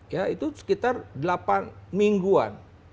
ya itu sekitar delapan mingguan